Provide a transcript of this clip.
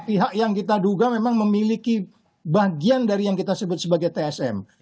pihak yang kita duga memang memiliki bagian dari yang kita sebut sebagai tsm